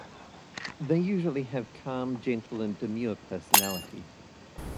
They usually have calm, gentle and demure personalities.